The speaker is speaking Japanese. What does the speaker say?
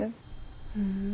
ふん。